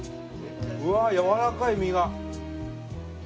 うわやわらかい身が。